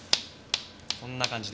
こんな感じで。